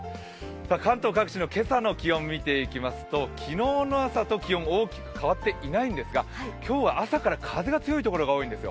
関東各地の今朝の気温を見ていきますと昨日の朝と気温、大きく変わっていないんですが、今日は朝から風が強い所が多いんですよ。